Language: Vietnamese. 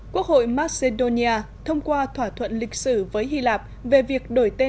quốc hội macedonia thông qua thỏa thuận lịch sử với hy lạp về việc đổi tên